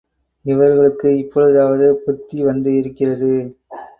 இவர்களுக்கு இப்பொழுதாவது புத்தி வந்து இருக்கிறது.